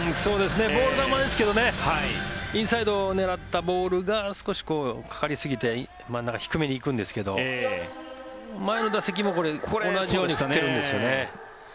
ボール球ですけどねインサイドを狙ったボールが少しかかりすぎて真ん中低めに行くんですけど前の打席も同じように振ってるんですよね。